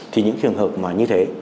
thì những trường hợp như thế